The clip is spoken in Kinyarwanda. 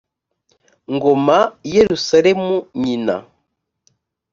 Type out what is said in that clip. ngoma i yerusalemu nyina